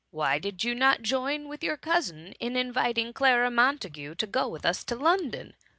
Why did not you join with your cousin in inviting Clara Montagu to go with us to Lon don?"